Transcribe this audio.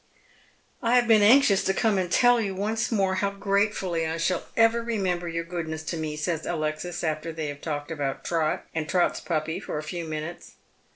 " I have been anxious to come and tell you once more how gratefully I shall ever remember your goodness to me," saj's Alexis, after they have talked about Trot and Trot's puppy for a few minutes.